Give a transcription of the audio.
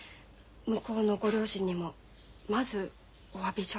向こうのご両親にもまずおわび状書くから。